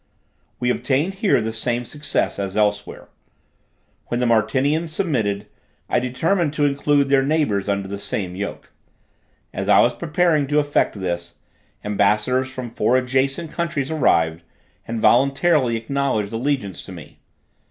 We obtained here the same success as elsewhere. When the Martinians submitted, I determined to include their neighbors under the same yoke. As I was preparing to effect this, ambassadors from four adjacent countries arrived, and voluntarily acknowledged allegiance to me.